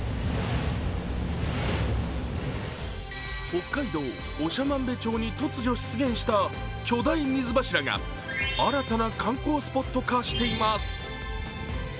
北海道長万部町に突如出現した巨大水柱が新たな観光スポット化しています。